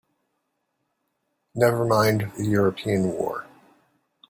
Never mind the European war!